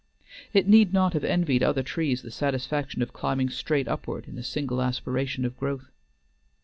It need not have envied other trees the satisfaction of climbing straight upward in a single aspiration of growth.